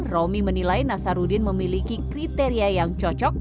romi menilai nasaruddin memiliki kriteria yang cocok